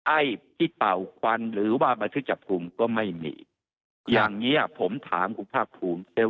ไอ้ที่เป่าควันหรือว่าบันทึกจับกลุ่มก็ไม่มีอย่างนี้ผมถามคุณภาคภูมิ